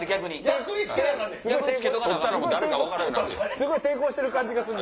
すごい抵抗してる感じがする。